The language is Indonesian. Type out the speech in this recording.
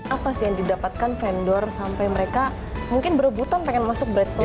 apa sih yang didapatkan vendor sampai mereka mungkin berebutan pengen masuk breadsman